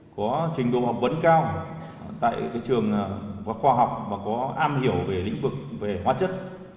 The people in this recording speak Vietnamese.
có trình độ học vấn cao tại trường khoa học và có am hiểu về lĩnh vực về hóa chất